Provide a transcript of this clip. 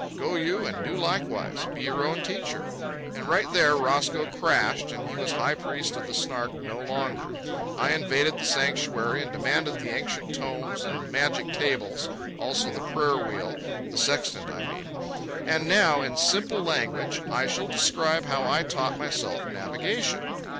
Go you and do likewise—be your own teacher." And right there Roscoe crashed, and he was high priest of the Snark no longer. I invaded the sanctuary and demanded the ancient tomes and magic tables, also the prayer wheel—the sextant, I mean. And now, in simple language. I shall describe how I taught myself navigation.